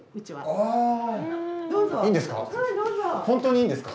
いいんですか？